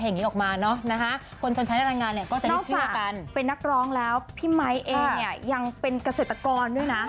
นอกจากเป็นนักร้องแล้วพี่ไมค์เองเนี่ยยังเป็นเกษตรกรด้วยนะ